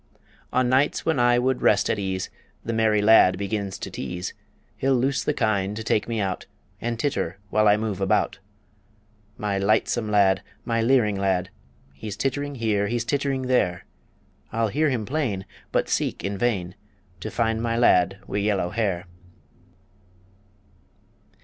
On nights when I would rest at ease, The merry lad begins to tease; He'll loose the kine to take me out, And titter while I move about. My lightsome lad, my leering lad, He's tittering here; he's tittering there I'll hear him plain, but seek in vain To find my lad wi' yellow hair.